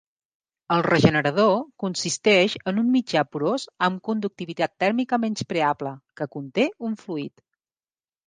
El regenerador consisteix en un mitjà porós amb conductivitat tèrmica menyspreable, que conté un fluid.